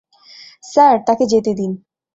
Sir, তাকে যেতে দিন।